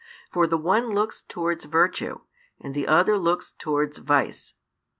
For one looks towards virtue, and the other looks towards vice.